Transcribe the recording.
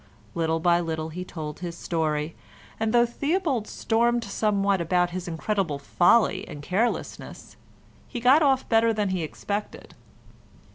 Little by little he told his story, and though Theobald stormed somewhat at his "incredible folly and carelessness," he got off better than he expected.